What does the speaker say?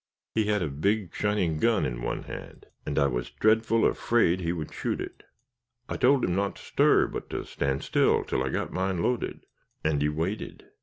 He had a big shining gun in one hand, and I was dreadful afraid he would shoot it. I told him not to stir, but to stand still till I got mine loaded, and he waited.